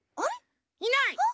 いない！